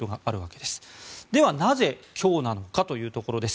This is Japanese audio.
ではなぜ今日なのかというところです。